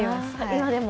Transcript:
今でも？